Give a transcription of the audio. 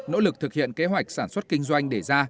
nỗ lực thực hiện kế hoạch sản xuất kinh doanh để ra